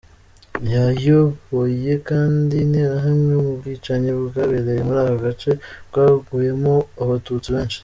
Yayoboye kandi interahamwe mu bwicanyi bwabereye muri ako gace bwaguyemo abatutsi benshi.